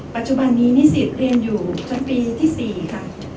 ปัจจุบันนี้นิสิตเรียนอยู่จนปีที่๔ค่ะ